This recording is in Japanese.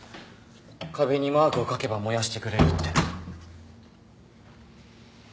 壁にマークを描けば燃やしてくれるって。